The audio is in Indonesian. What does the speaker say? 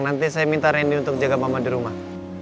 nanti saya minta randy untuk jaga mama di rumah